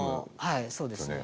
はいそうですね。